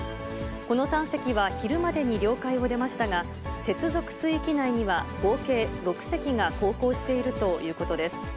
この３隻は昼までに領海を出ましたが、接続水域内には合計６隻が航行しているということです。